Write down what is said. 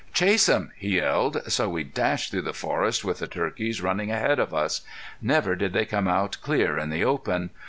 "Chase 'em!" he yelled. So we dashed through the forest with the turkeys running ahead of us. Never did they come out clear in the open.